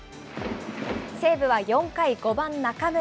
西武は４回、５番中村。